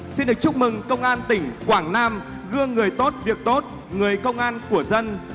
xin được chúc mừng công an tỉnh quảng nam gương người tốt việc tốt người công an của dân